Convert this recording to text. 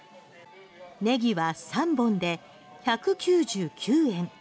ネギは３本で１９９円。